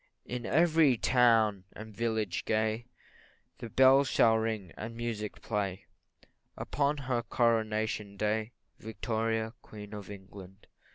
In every town and village gay, The bells shall ring, and music play, Upon her Coronation day, Victoria, Queen of England.